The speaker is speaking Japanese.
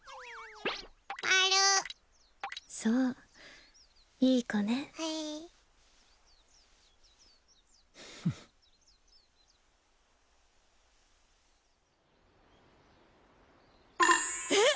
まるそういい子ねえっ